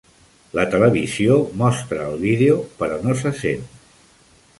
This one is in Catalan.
La televisió mostra el vídeo però no se sent.